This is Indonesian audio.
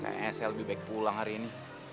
kayaknya saya lebih baik pulang hari ini